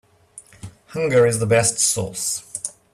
Hunger is the best sauce.